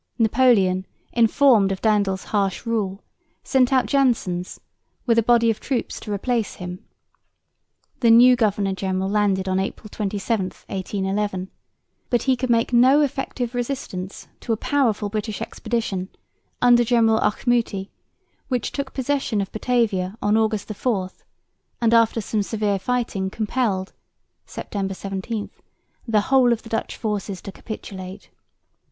Napoleon, informed of Daendels' harsh rule, sent out Janssens with a body of troops to replace him. The new governor general landed on April 27, 1811, but he could make no effective resistance to a powerful British expedition under General Auchmuty, which took possession of Batavia on August 4, and after some severe fighting compelled (September 17) the whole of the Dutch forces to capitulate.